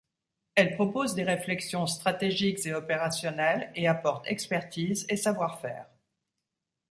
Elle propose des réflexions stratégiques et opérationnelles et apporte expertise et savoir-faire.